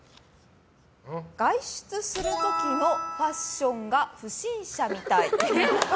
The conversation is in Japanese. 外出する時のファッションが不審者みたい。